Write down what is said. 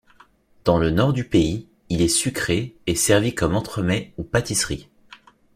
Dans le nord du pays, il est sucré et servi comme entremets ou pâtisserie.